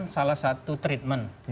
salah satu treatment